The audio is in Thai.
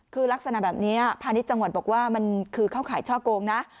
คือลักษณะแบบนี้พาณิชย์จังหวัดบอกว่ามันคือเข้าข่ายช่อโกงนะ